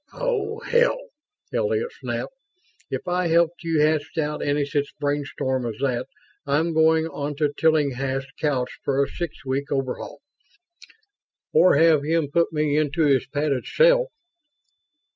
"Oh, hell!" Elliott snapped. "If I helped you hatch out any such brainstorm as that, I'm going onto Tillinghast's couch for a six week overhaul or have him put me into his padded cell."